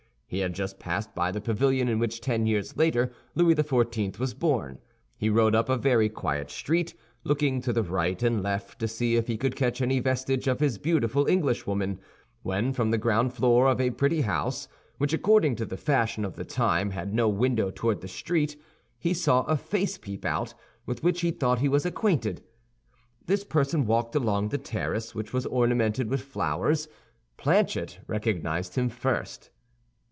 He had just passed by the pavilion in which ten years later Louis XIV. was born. He rode up a very quiet street, looking to the right and the left to see if he could catch any vestige of his beautiful Englishwoman, when from the ground floor of a pretty house, which, according to the fashion of the time, had no window toward the street, he saw a face peep out with which he thought he was acquainted. This person walked along the terrace, which was ornamented with flowers. Planchet recognized him first.